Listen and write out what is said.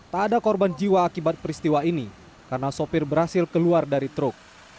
tak ada korban jiwa akibat peristiwa ini karena sopir berhasil keluar dari truk